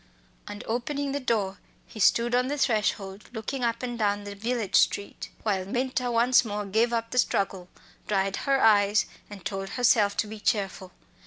And opening the door he stood on the threshold looking up and down the village street, while Minta once more gave up the struggle, dried her eyes, and told herself to be cheerful.